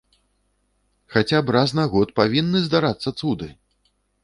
Хаця б раз на год павінны здарацца цуды!